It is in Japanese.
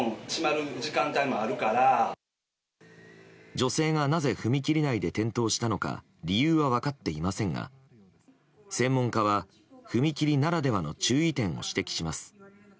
女性がなぜ踏切内で転倒したのか理由は分かっていませんが専門家は踏切ならではの注意点を指摘します。